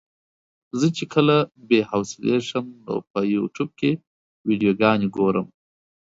زه چې کله بې حوصلې شم نو په يوټيوب کې ويډيوګانې ګورم.